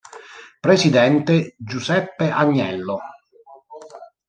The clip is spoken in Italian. Presidente: Giuseppe Agnello